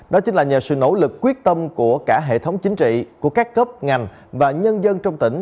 đó chính là nhờ sự nỗ lực quyết tâm của cả hệ thống chính trị của các cấp ngành và nhân dân trong tỉnh